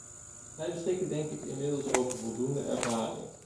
Wij beschikken denk ik inmiddels over voldoende ervaring.